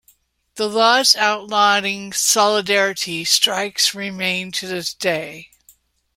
The laws outlawing solidarity strikes remain to this day.